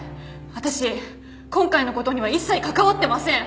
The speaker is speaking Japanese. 私今回の事には一切関わってません！